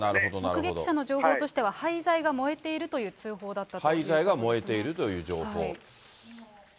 目撃者の情報としては廃材が燃えているという通報だったとい廃材が燃えているという情報。